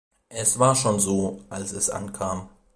Es war schon so, als es ankam.